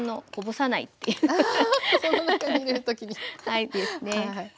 はいですね。